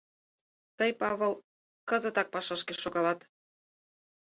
Тый, Павыл, кызытак пашашке шогалат...